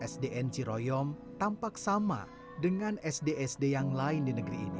sdn ciroyom tampak sama dengan sd sd yang lain di negeri ini